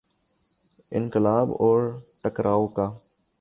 انقلاب اور ٹکراؤ کا۔